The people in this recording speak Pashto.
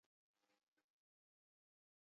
په دې لړ کې اوهایو کانال جوړ شو.